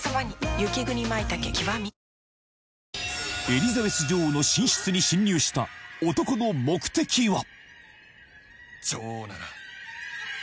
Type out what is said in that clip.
エリザベス女王の寝室に侵入した男の目的は？